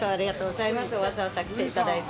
わざわざ来ていただいて。